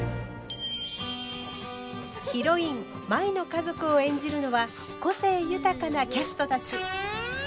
ヒロイン舞の家族を演じるのは個性豊かなキャストたち。